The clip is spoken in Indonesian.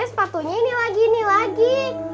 sepatunya ini lagi ini lagi